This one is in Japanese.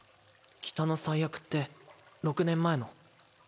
北の災厄って６年前の？